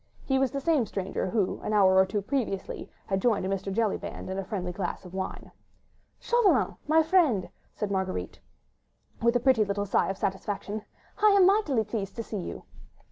He was the same stranger who an hour or two previously had joined Mr. Jellyband in a friendly glass of wine. "Chauvelin ... my friend ..." said Marguerite, with a pretty little sigh of satisfaction. "I am mightily pleased to see you."